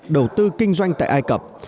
đầu tư kinh doanh tại ai cập